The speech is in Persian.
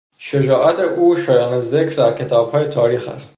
شجاعت او شایان ذکر در کتابهای تاریخ است.